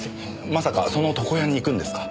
まさかその床屋に行くんですか？